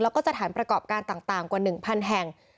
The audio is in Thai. แล้วก็สถานประกอบการต่างกว่า๑๐๐แห่ง